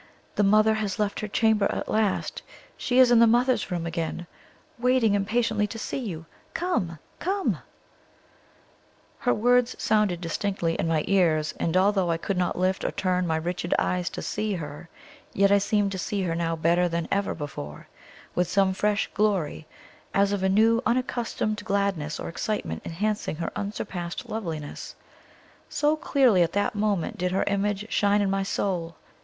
The mother has left her chamber at last; she is in the Mother's Room again, waiting impatiently to see you. Come, come!" Her words sounded distinctly in my ears, and although I could not lift or turn my rigid eyes to see her, yet I seemed to see her now better than ever before, with some fresh glory, as of a new, unaccustomed gladness or excitement enhancing her unsurpassed loveliness, so clearly at that moment did her image shine in my soul!